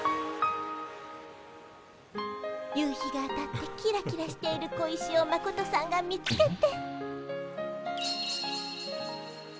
夕日が当たってキラキラしている小石をマコトさんが見つけて。